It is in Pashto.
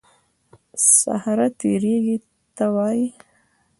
صخره تېږې ته وایي.